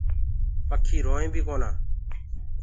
پکي روئينٚ بي ڪونآ۔